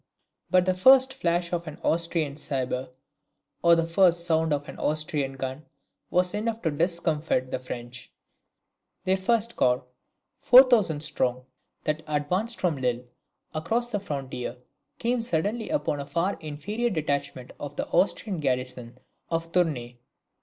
But the first flash of an Austrian sabre, or the first sound of Austrian gun, was enough to discomfit the French. Their first corps, four thousand strong, that advanced from Lille across the frontier, came suddenly upon a far inferior detachment of the Austrian garrison of Tournay.